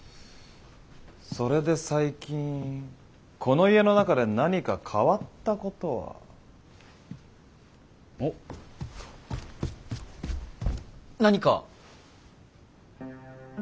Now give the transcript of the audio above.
それで最近この家の中で何か変わったことは？おっ。何か？